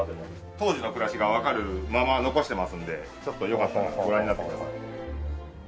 当時の暮らしがわかるまま残してますのでちょっとよかったらご覧になってください。